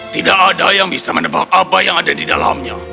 tidak ada yang bisa menebak apa yang ada di dalamnya